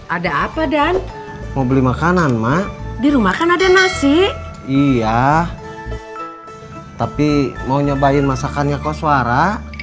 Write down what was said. ada apa dan mau beli makanan mak di rumah kan ada nasi iya tapi mau nyobain masakannya koswara